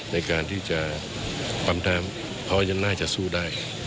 ในการที่จะปั๊มน้ำเพราะว่ายังน่าจะสู้ได้